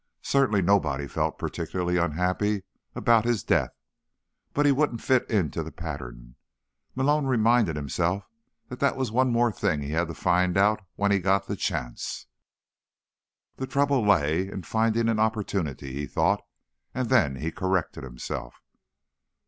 Certainly nobody felt particularly unhappy about his death. But he wouldn't fit into the pattern. Malone reminded himself that that was one more thing he had to find out when he got the chance. The trouble lay in finding an opportunity, he thought—and then he corrected himself.